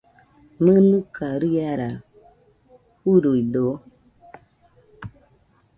¿Mɨnɨka riara fɨruidɨo?